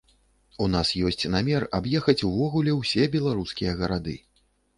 У нас ёсць намер, аб'ехаць увогуле ўсе беларускія гарады.